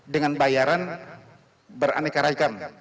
dengan bayaran beraneka rakyat